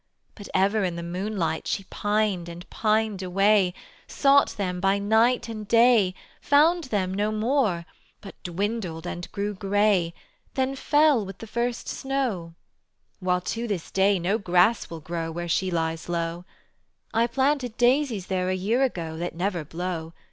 But ever in the noonlight She pined and pined away; Sought them by night and day, Found them no more, but dwindled and grew gray, Then fell with the first snow, While to this day no grass will grow Where she lies low: I planted daisies there a year ago That never blow.